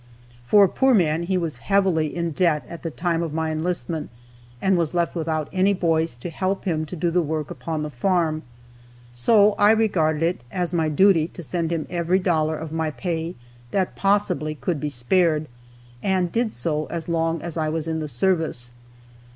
For a poor man, he was heavily in debt at the time of my enlistment, and was left without any boys to help him do the work upon the farm, so I regarded it as my duty to send him every dollar of my pay that possibly could be spared, and did so as long as I was in the service.